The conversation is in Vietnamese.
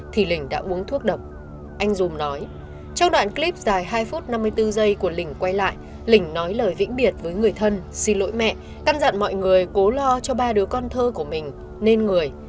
trong đoạn clip dài hai phút năm mươi bốn giây của lỉnh quay lại lỉnh nói lời vĩnh biệt với người thân xin lỗi mẹ căn dặn mọi người cố lo cho ba đứa con thơ của mình nên người